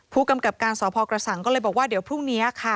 ผู้กำกับการสพกระสังก็เลยบอกว่าเดี๋ยวพรุ่งนี้ค่ะ